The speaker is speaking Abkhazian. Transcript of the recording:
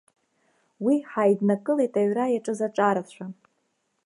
Уи ҳаиднакылеит аҩра иаҿыз аҿарацәа.